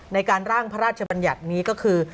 ในการร่างพระราชบัญญัตินี้ก็คือ